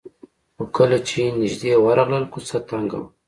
خو کله چې نژدې ورغلل کوڅه تنګه وه.